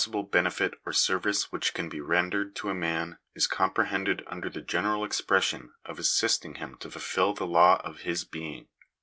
ble benefit or service which can be rendered to a man is com prehended under the general expression of assisting him to fulfil the law of his being.